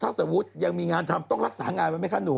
ถ้าสมมุติยังมีงานทำต้องรักษางานไว้ไหมคะหนู